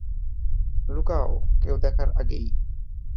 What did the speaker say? লুকাও, কেউ দেখার আগেই।